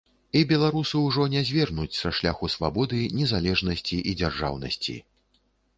І беларусы ўжо не звернуць са шляху свабоды, незалежнасці і дзяржаўнасці.